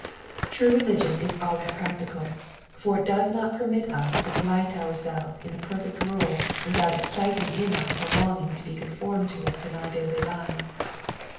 True religion is always practical, for it does not permit us to delight our selves in a perfect rule without exciting in us a loDging to be conformed to it in our daily lives.